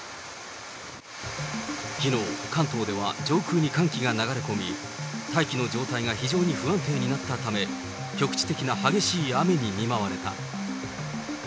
きのう、関東では上空に寒気が流れ込み、大気の状態が非常に不安定になったため、局地的な激しい雨に見舞われた。